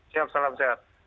siap salam sehat